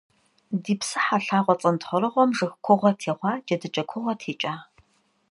Ди псыхьэ лъагъуэ цӏэнтхъуэрыгъуэм жыг кугъуэ тегъуа, джэдыкӏэ кугъуэ текӏа.